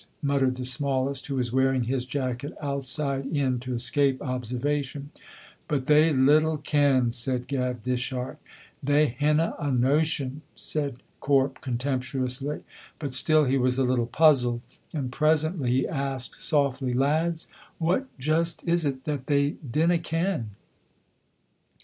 muttered the smallest, who was wearing his jacket outside in to escape observation. "But they little ken!" said Gav Dishart. "They hinna a notion!" said Corp, contemptuously, but still he was a little puzzled, and presently he asked softly: "Lads, what just is it that they dinna ken?"